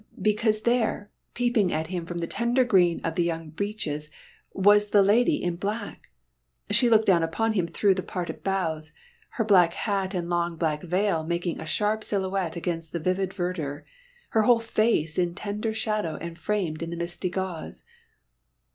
Because there, peeping at him from the tender green of the young beeches, was the lady in black. She looked down upon him through the parted boughs, her black hat and long black veil making a sharp silhouette against the vivid verdure, her whole face in tender shadow and framed in the misty gauze.